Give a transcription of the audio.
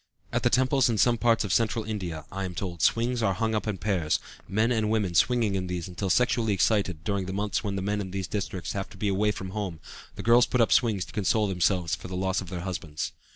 At the temples in some parts of Central India, I am told, swings are hung up in pairs, men and women swinging in these until sexually excited; during the months when the men in these districts have to be away from home the girls put up swings to console themselves for the loss of their husbands.